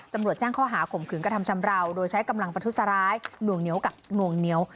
จำรวจแจ้งเขาหาขมขึงกระทำชำราวโดยใช้กำลังประทุศร้าย